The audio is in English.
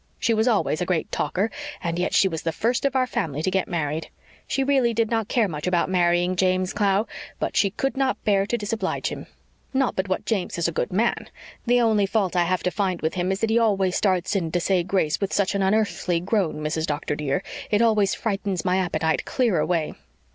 She was always a great talker and yet she was the first of our family to get married. She really did not care much about marrying James Clow, but she could not bear to disoblige him. Not but what James is a good man the only fault I have to find with him is that he always starts in to say grace with such an unearthly groan, Mrs. Doctor, dear. It always frightens my appetite clear away.